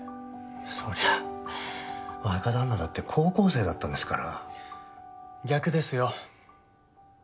そりゃ若旦那だって高校生だったんですから逆ですよ